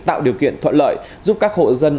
tạo điều kiện thuận lợi giúp các hộ dân